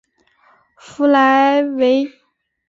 弗莱维。